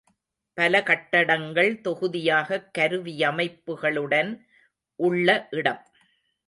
பல கட்டடங்கள் தொகுதியாகக் கருவியமைப்புகளுடன் உள்ள இடம்.